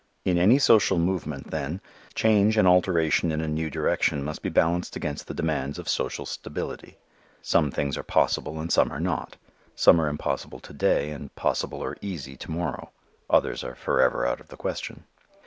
In any social movement, then, change and alteration in a new direction must be balanced against the demands of social stability. Some things are possible and some are not; some are impossible to day, and possible or easy to morrow. Others are forever out of the question.